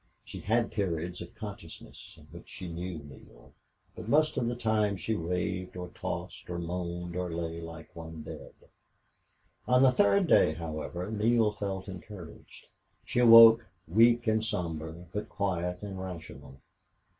She had periods of consciousness, in which she knew Neale, but most of the time she raved or tossed or moaned or lay like one dead. On the third day, however. Neale felt encouraged. She awoke weak and somber, but quiet and rational.